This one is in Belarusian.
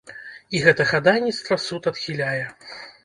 І гэтае хадайніцтва суд адхіляе.